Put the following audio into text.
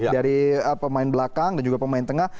dari pemain belakang dan juga pemain tengah